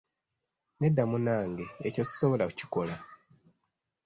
Nedda munange, ekyo sisobola kukikola.